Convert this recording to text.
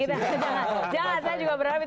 jangan jangan saya juga berharap itu tidak terjadi baik